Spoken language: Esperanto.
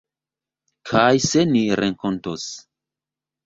Kaj se ni renkontos.